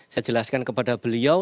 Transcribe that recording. saya jelaskan kepada beliau